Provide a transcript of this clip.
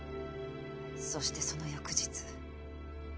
そしてその翌日。